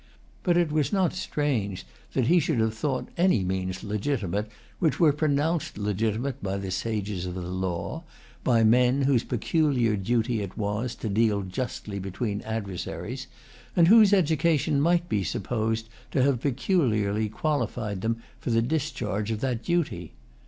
But it was not strange that he should have thought any means legitimate which were pronounced legitimate by the sages of the law, by men whose peculiar duty it was to deal justly between adversaries, and whose education might be supposed to have peculiarly qualified them for the discharge of that duty.